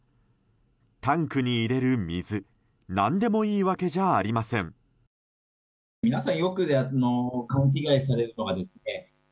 タンクに入れる水何でもいいわけじゃありません。